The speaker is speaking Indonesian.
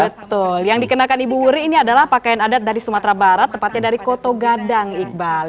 betul yang dikenakan ibu wuri ini adalah pakaian adat dari sumatera barat tepatnya dari koto gadang iqbal